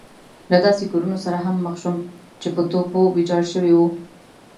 له داسې کورونو سره هم مخ شوم چې په توپو ويجاړ شوي وو.